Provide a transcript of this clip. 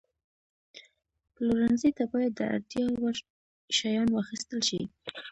پلورنځي ته باید د اړتیا وړ شیان واخیستل شي.